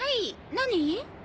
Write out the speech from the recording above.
何？